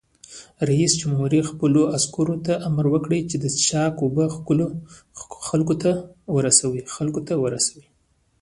رئیس جمهور خپلو عسکرو ته امر وکړ؛ د څښاک اوبه خلکو ته ورسوئ!